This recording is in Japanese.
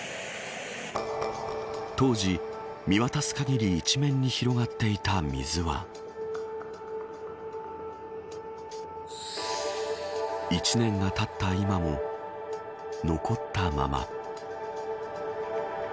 当時、見渡す限り一面に広がっていた水は１年がたった今も残ったまま。